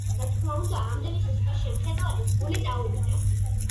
რა თქმა უნდა, ამდენი სისხლის შემხედვარეს, გული წაუვიდა.